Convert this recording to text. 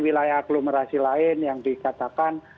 wilayah aglomerasi lain yang dikatakan